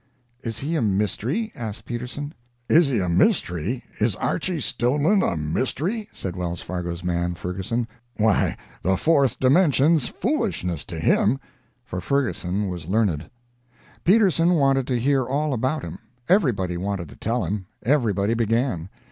"Is he a mystery?" asked Peterson. "Is he a mystery? Is Archy Stillman a mystery?" said Wells Fargo's man, Ferguson. "Why, the fourth dimension's foolishness to him." For Ferguson was learned. Peterson wanted to hear all about him; everybody wanted to tell him; everybody began.